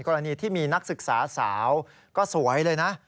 กรณีที่มีนักศึกษาสาวก็สวยเลยนะ